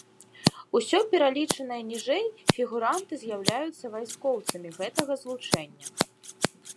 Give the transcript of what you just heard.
Усё пералічаныя ніжэй фігуранты з'яўляюцца вайскоўцамі гэтага злучэння.